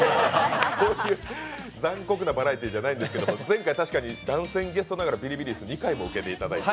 そういう残酷なバラエティーじゃないんですけど前回確かに番宣ゲストながらビリビリ椅子２回も受けていただいて。